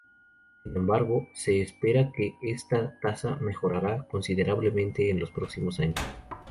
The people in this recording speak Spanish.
Sin embargo, se espera que esta tasa mejorará considerablemente en los próximos años.